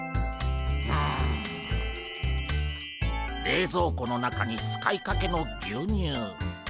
冷蔵庫の中に使いかけの牛乳。